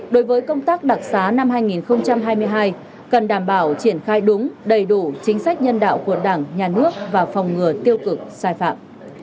đối với công tác đặc xá năm hai nghìn hai mươi hai cần đảm bảo triển khai đúng đầy đủ chính sách nhân đạo của đảng nhà nước và phòng ngừa tiêu cực sai phạm